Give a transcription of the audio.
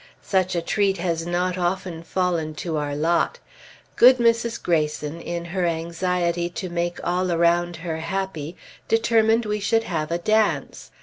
Such a treat has not often fallen to our lot. Good Mrs. Greyson, in her anxiety to make all around her happy, determined we should have a dance.